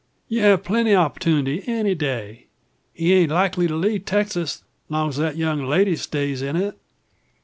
You'll have plenty opportunities any day. He aint likely to leave Texas, long's that young lady stays in it.